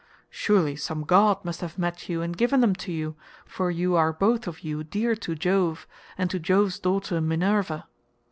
Surely some god must have met you and given them to you, for you are both of you dear to Jove, and to Jove's daughter Minerva."